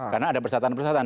karena ada persatuan persatuan